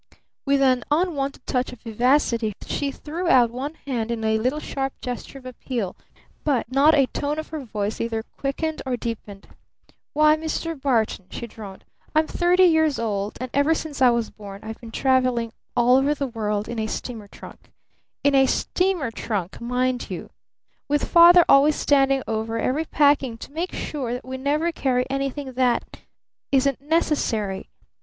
With an unwonted touch of vivacity she threw out one hand in a little, sharp gesture of appeal; but not a tone of her voice either quickened or deepened. "Why, Mr. Barton," she droned, "I'm thirty years old and ever since I was born I've been traveling all over the world in a steamer trunk. In a steamer trunk, mind you. With Father always standing over every packing to make sure that we never carry anything that isn't necessary.